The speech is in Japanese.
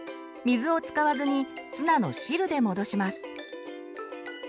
水を使わずにツナの汁で戻します。